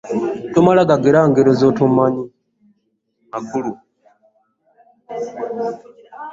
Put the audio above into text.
Tomala gagera ngero z'otamanyi makulu.